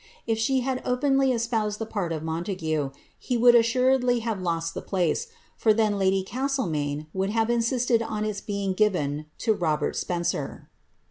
If she had openly espoused the part of 3Iontague, he would assuredly have lost the place, for then lady Castlemaine would have insisted on its being given to Robert Spencer.